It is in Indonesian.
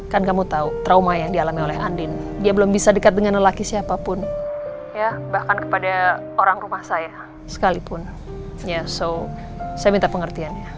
kan kamu tahu trauma yang dialami oleh andin dia belum bisa dekat dengan lelaki siapapun bahkan kepada orang rumah saya sekalipun ya so saya minta pengertiannya